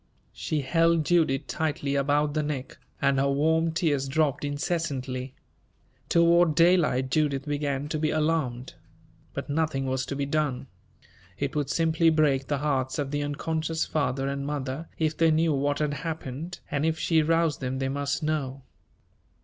She held Judith tightly about the neck, and her warm tears dropped incessantly. Toward daylight Judith began to be alarmed. But nothing was to be done. It would simply break the hearts of the unconscious father and mother if they knew what had happened, and if she roused them they must know.